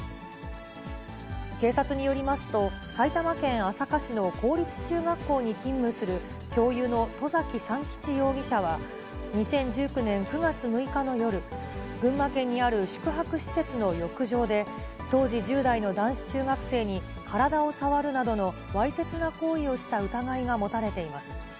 警察によりますと、埼玉県朝霞市の公立中学校に勤務する教諭の外崎三吉容疑者は、２０１９年９月６日の夜、群馬県にある宿泊施設の浴場で、当時１０代の男子中学生に体を触るなどのわいせつな行為をした疑いが持たれています。